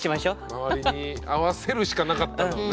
周りに合わせるしかなかったんだもんね。